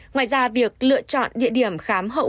ngoài ra việc lựa chọn địa điểm khám hậu